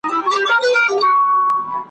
چي په پانوس کي سوځېدلي وي پښېمانه نه ځي ,